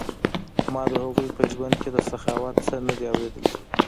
ما د هغوی په ژوند کې د سخاوت څه نه دي اوریدلي.